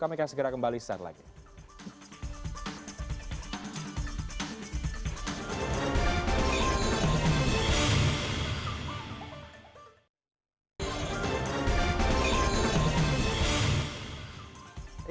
kami akan segera kembali setelah ini